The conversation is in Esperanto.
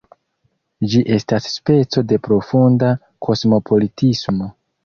Ĝi estas speco de profunda kosmopolitismo.